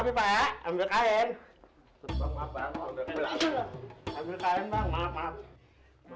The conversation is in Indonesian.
ya udah berapapapapam